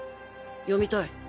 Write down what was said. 読みたい。